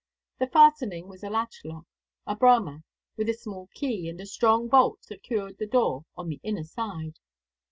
The fastening was a latch lock, a Bramah, with a small key, and a strong bolt secured the door on the inner side.